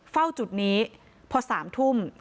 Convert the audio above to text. เฝ้าจุดนี้พอ๓ทุ่ม